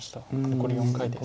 残り４回です。